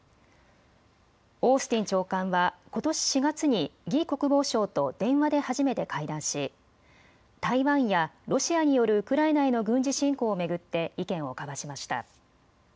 オースティン長官はことし４月に魏国防相と電話で初めて会談し台湾やロシアによるウクライナへの軍事侵攻を巡って意見を交わしました。